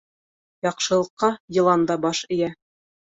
Яҡшылыҡҡа йылан да баш эйә.